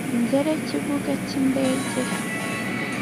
ngere kibuga cy indege